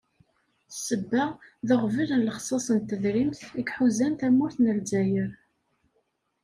Ssebba, d aɣbel n lexṣas n tedrimt, i iḥuzan tamurt n Lezzayer.